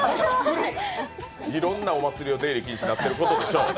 いろんなお祭りを出入り禁止になっていることでしょう。